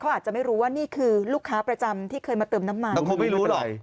เขาอาจจะไม่รู้ว่านี่คือลูกค้าประจำที่เคยมาเติมน้ำมัน